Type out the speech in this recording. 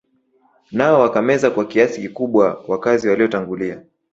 Nao wakameza kwa kiasi kikubwa wakazi waliotangulia